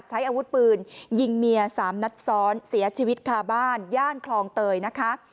ใช้อาวุธปืนยิงเมียสามนัดซ้อนเสียชีวิตคาบ้านย่านคลองเตยนะคะ